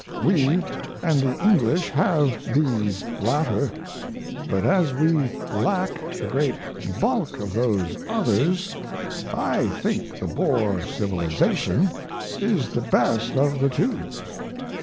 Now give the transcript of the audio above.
We & the English have these latter; but as we lack the great bulk of those others I think the Boer civilization is the best of the two.